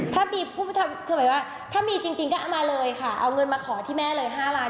ถ้ามีจริงก็เอามาเลยเอาเงินมาขอที่แม่เลย๕ล้าน